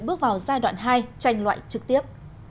bước vào giai đoạn hai tranh loại trực tiếp